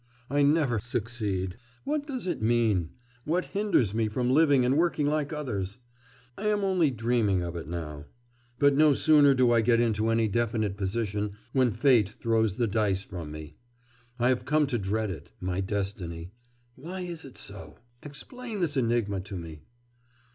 I never succeed. What does it mean? What hinders me from living and working like others?... I am only dreaming of it now. But no sooner do I get into any definite position when fate throws the dice from me. I have come to dread it my destiny.... Why is it so? Explain this enigma to me!